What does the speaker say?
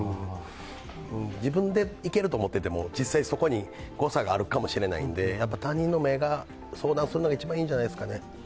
自分でいけると思ってても、実際そこに誤差があるかもしれないんで他人の目が、相談するのには一番いいんじゃないですかね。